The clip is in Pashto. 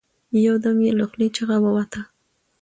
يو دم يې له خولې چيغه ووته.